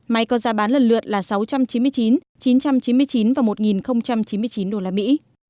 máy có giá bán lần lượt là sáu trăm chín mươi chín chín trăm chín mươi chín và một chín mươi chín đô la mỹ